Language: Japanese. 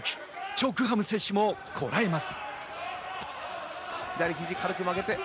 チョ・グハム選手もこらえます。